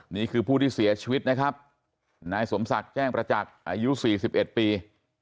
นี่คือผู้ที่เสียชีวิตนะครับนายสมศักดิ์แจ้งประจักษ์อายุ๔๑ปี